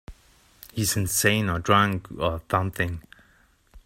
He's insane or drunk or something.